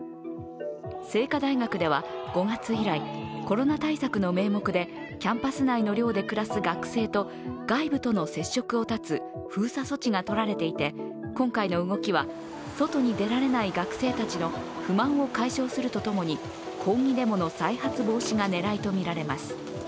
清華大学では、５月以来コロナ対策の名目でキャンパス内の寮で暮らす学生と外部との接触を断つ封鎖措置がとられていて、今回の動きは、外に出られない学生たちの不満を解消するとともに抗議デモの再発防止が狙いとみられます。